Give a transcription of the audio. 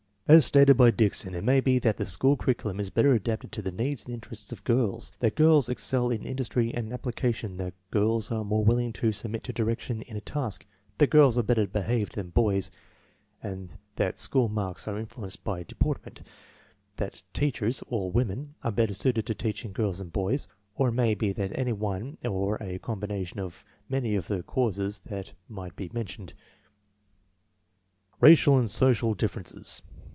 As stated by Dickson, "It may be that the school curriculum is better adapted to the needs and interests of girls; that girls excel in industry and appli cation; that girls more willingly submit to direction in a task; that girls are better behaved than boys and that school marks are influenced by deportment; that teachers (all women) are better suited to teaching girls than boys; or it may be any one or a combination of many of the causes that might be mentioned." Racial and social differences.